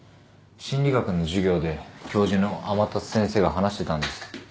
心理学の授業で教授の天達先生が話してたんです。